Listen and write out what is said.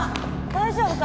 大丈夫か？